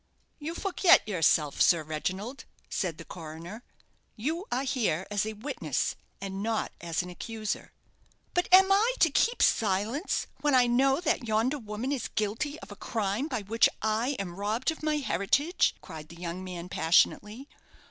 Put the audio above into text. "You forget yourself, Sir Reginald," said the coroner; "you are here as a witness, and not as an accuser." "But am I to keep silence, when I know that yonder woman is guilty of a crime by which I am robbed of my heritage?" cried the young man, passionately.